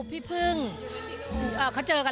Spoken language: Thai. ครูปุ้มสัตว์สินค้า